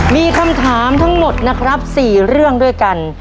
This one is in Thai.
มีคำถามทั้งหมดนะครับ๔เรื่องด้วยกัน